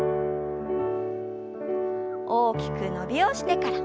大きく伸びをしてから。